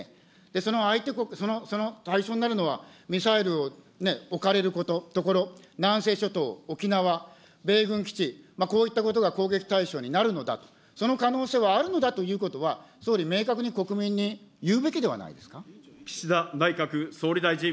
その相手国、その対象になるのは、ミサイルをね、置かれること、所、南西諸島、沖縄、米軍基地、こういったことが攻撃対象になるのだと、その可能性はあるのだということは、総理、明確に国民に言うべきではないですか。